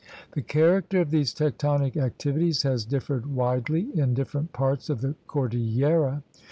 The character of these tectonic activities has differed widely in different parts of the cordillera.